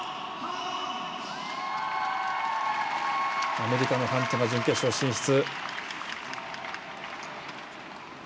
アメリカのハントが準決勝進出。